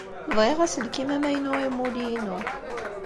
Bɣiɣ aselkim amaynu i umulli-inu.